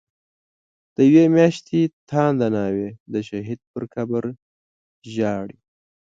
دیوی میاشتی تانده ناوی، د شهید په قبر ژاړی